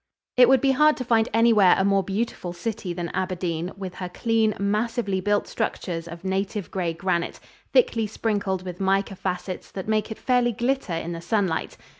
] It would be hard to find anywhere a more beautiful city than Aberdeen, with her clean, massively built structures of native gray granite, thickly sprinkled with mica facets that make it fairly glitter in the sunlight.